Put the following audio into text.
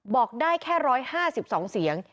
บอกได้แค่๑๕๒เสียง